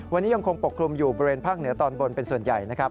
วันนี้ยังคงปกคลุมอยู่บริเวณภาคเหนือตอนบนเป็นส่วนใหญ่นะครับ